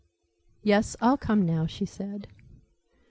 Yes, I'll come now, she said.